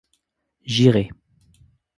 J'irai.